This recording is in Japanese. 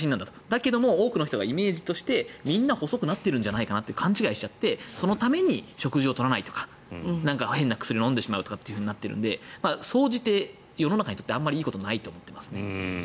だけど多くの人がイメージとしてみんな細くなってるんじゃないのって勘違いしてしまってそのために食事を取らないとか変な薬を飲んでしまうとかというふうになっているので総じて世の中にとってあまりいいことはないと思ってますね。